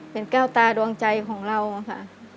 เป็นแก้วตาดวงใจของเราค่ะ